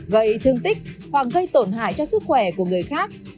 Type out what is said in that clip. gây thương tích hoặc gây tổn hại cho sức khỏe của người khác